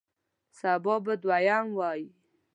سبا به دویم وی